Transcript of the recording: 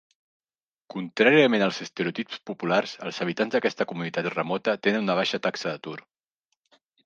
Contràriament als estereotips populars, els habitants d'aquesta comunitat remota tenen una baixa taxa d'atur.